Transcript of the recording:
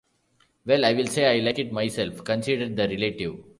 "Well, I will say I like it myself," conceded the relative.